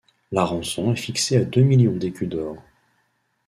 La rançon est fixée à deux millions d'écus d'or.